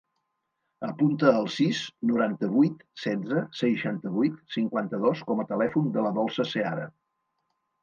Apunta el sis, noranta-vuit, setze, seixanta-vuit, cinquanta-dos com a telèfon de la Dolça Seara.